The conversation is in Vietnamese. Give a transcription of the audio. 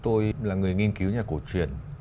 tôi là người nghiên cứu nhà cổ truyền